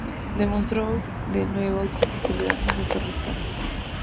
Demostró de nuevo que si se le dan minutos, responde.